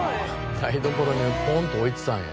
台所にポンと置いてたんや。